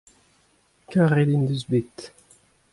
karet en deus bet.